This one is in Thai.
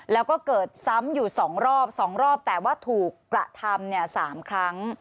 แล้วก็เกิดซ้ำอยู่๒รอบ๒รอบแต่ว่าถูกกระทำ๓ครั้ง